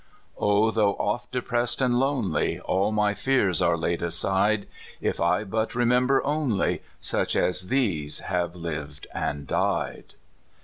O though oft depressed and lonely, All my fears are laid aside, If I but remember only Such as these have lived and died